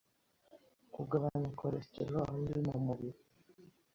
Kugabanya cholesterol mbi mumubiri